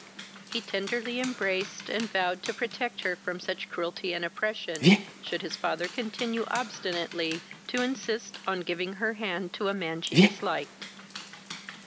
He tenderly embraced, and vowed to protect her from such cruelty and oppression, should his father continue obstinately to insist on her giving her hand to a man she disliked.